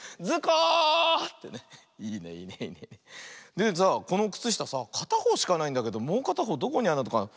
でさあこのくつしたさあかたほうしかないんだけどもうかたほうどこにあるのかな。